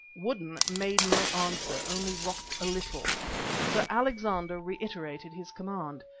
Woodden made no answer, only rocked a little. Sir Alexander reiterated his command.